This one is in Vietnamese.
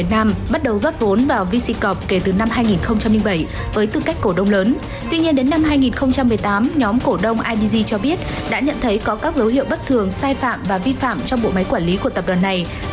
tuy nhiên đến năm hai nghìn một mươi tám nhóm cổ đông idg cho biết đã nhận thấy có các dấu hiệu bất thường sai phạm và vi phạm trong bộ máy quản lý của tập đoàn này